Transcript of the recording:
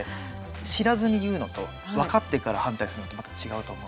知らずに言うのと分かってから反対するのとまた違うと思うので。